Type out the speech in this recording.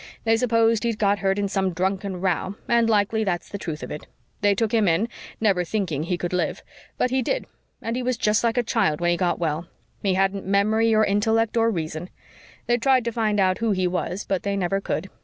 They supposed he'd got hurt in some drunken row, and likely that's the truth of it. They took him in, never thinking he could live. But he did and he was just like a child when he got well. He hadn't memory or intellect or reason. They tried to find out who he was but they never could.